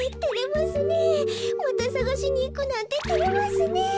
またさがしにいくなんててれますねえ。